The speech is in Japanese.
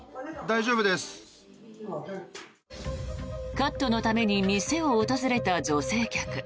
カットのために店を訪れた女性客。